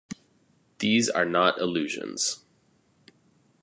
These are not illusions.